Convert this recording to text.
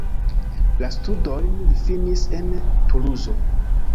La studojn li finis en Tuluzo.